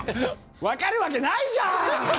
わかるわけないじゃーん！